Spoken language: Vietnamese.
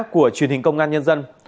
của truyền hình công an nhân dân